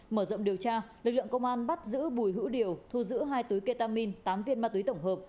mở rộng điều tra lực lượng công an bắt giữ bùi hữu điều thu giữ hai túi ketamin tám viên ma túy tổng hợp